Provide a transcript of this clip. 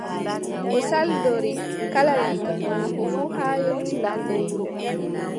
O saldori kala lenyol maako fuu, haa yotti laamɗo wuro.